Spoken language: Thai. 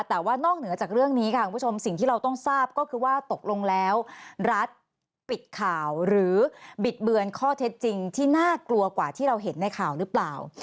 แต่ว่านอกเหนือจากเรื่องนี้ค่ะคุณผู้ชมสิ่งที่เราต้องทราบก็คือว่าตกลงแล้วรัฐปิดข่าวหรือบิดเบือนข้อเท็จจริงที่น่ากลัวกว่าที่เราเห็นในข่าวหรือเปล่า